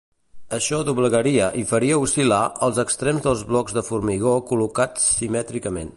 Això doblegaria i faria oscil·lar els extrems dels blocs de formigó col·locats simètricament.